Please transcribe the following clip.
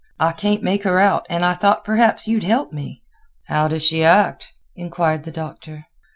I can't make her out, and I thought perhaps you'd help me." "How does she act?" inquired the Doctor.